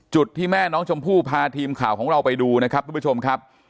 จุดที่แม่น้องชมพู่พาทีมข่าวของเราไปดูนะครับ